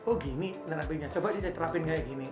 oh gini terapinnya coba sih saya terapin kayak gini